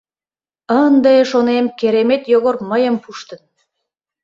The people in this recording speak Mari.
Ынде, шонем, керемет Йогор мыйым пуштын.